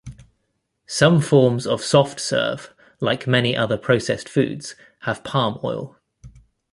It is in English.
Some forms of soft serve, like many other processed foods, have palm oil.